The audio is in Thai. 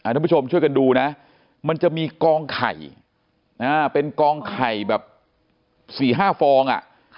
ทุกผู้ชมช่วยกันดูนะมันจะมีกองไข่เป็นกองไข่แบบ๔๕ฟอง